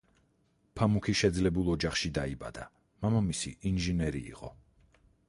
ფამუქი შეძლებულ ოჯახში დაიბადა, მამამისი ინჟინერი იყო.